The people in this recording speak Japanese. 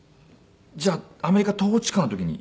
じゃあアメリカ統治下の時に？